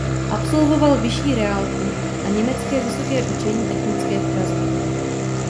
Absolvoval vyšší reálku a Německé Vysoké učení technické v Praze.